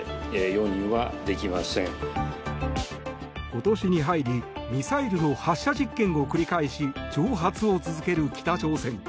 今年に入りミサイルの発射実験を繰り返し挑発を続ける北朝鮮。